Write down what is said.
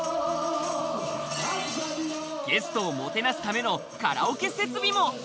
ゲストをもてなすためのカラオケ設備も。